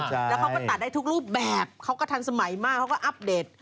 แล้วเขาก็ตัดได้ทุกรูปแบบเขาก็ทันสมัยมากเขาก็อัปเดต